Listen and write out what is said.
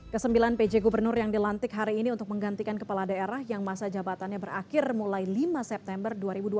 kesembilan pj gubernur yang dilantik hari ini untuk menggantikan kepala daerah yang masa jabatannya berakhir mulai lima september dua ribu dua puluh